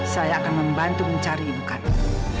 saya akan membantu mencari ibu kayu